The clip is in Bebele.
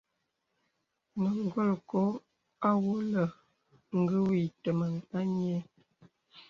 Nə̀ golkō awōlə̀ gwe yǐtə̄meŋ a nyēē.